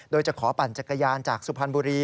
โดยจะขอปั่นจักรยานจากสุพรรณบุรี